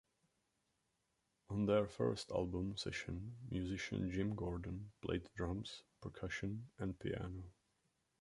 On their first album session musician Jim Gordon played drums, percussion, and piano.